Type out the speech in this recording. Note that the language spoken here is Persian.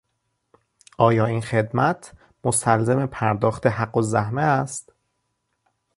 آیا این خدمت مستلزم پرداخت حقالزحمه است؟